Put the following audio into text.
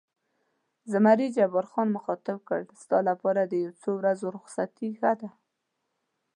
زمري جبار خان مخاطب کړ: ستا لپاره د یو څو ورځو رخصتي ښه ده.